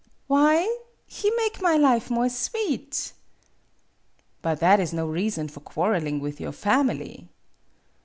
'' Why ? He make my life more sweet. " "But that is no reason for quarreling with your family."